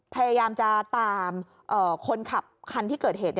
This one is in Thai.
พยายามจะตามคนขับคันที่เกิดเหตุ